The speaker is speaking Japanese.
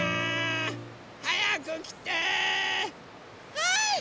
はい！